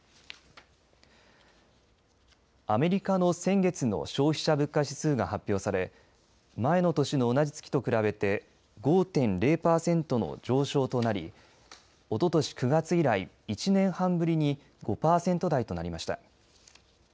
アメリカの先月の消費者物価指数が発表され前の年の同じ月と比べて５．０パーセントの上昇となりおととし９月以来１年半ぶりに５パーセント台となりました。